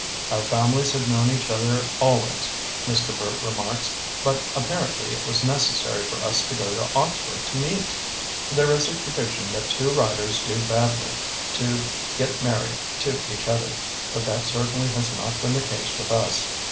"Our families had known each other al ways," Mr. Burt remarks, "but ap parently it was necessary for us to go to Oxford to meet. There is a tradi tion that two writers do badly to get married to each other, but that cer tainly has not been the case with us.